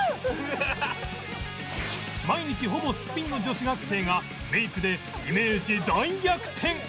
毎日ほぼすっぴんの女子学生がメイクでイメージ大逆転！